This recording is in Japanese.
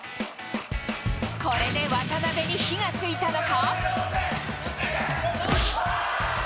これで渡邊に火がついたのか。